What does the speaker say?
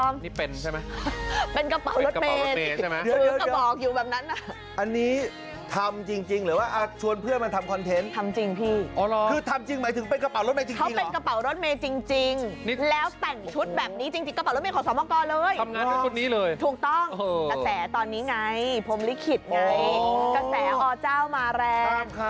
มีแต่ความน้ำมาเพื่อเธอ